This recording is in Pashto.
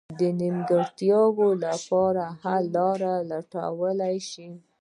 د نیمګړتیاوو لپاره حل لاره ولټول شي.